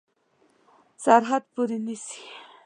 سرحد پوري ونیسي.